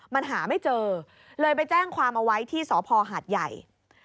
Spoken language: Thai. มันหาไม่เจอเลยไปแจ้งความเอาไว้ที่สพหาดใหญ่